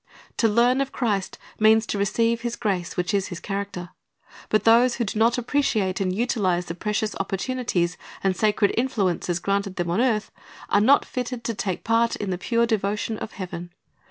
To learn of Christ means to receive His grace, which is His character. But those who do not appreciate and utilize the precious opportunities and sacred influences granted them on earth, are not fitted to take part in the pure devotion of heaven.